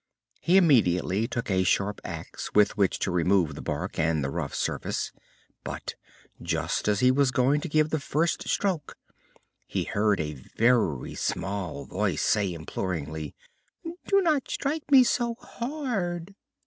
He immediately took a sharp axe with which to remove the bark and the rough surface, but just as he was going to give the first stroke he heard a very small voice say imploringly, "Do not strike me so hard!"